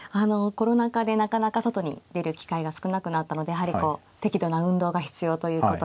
コロナ禍でなかなか外に出る機会が少なくなったのでやはりこう適度な運動が必要ということで。